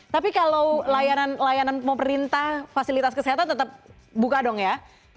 tapi kalau layanan layanan pemerintah fasilitas kesehatan tetap buka dong ya